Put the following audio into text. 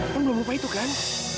kan belum lupa itu kan